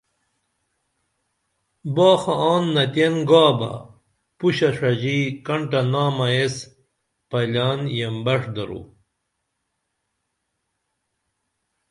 باخہ آن نئتین گا بہ پشہ ݜژی کنٹہ نامہ ایس پئیلان ین بݜ درو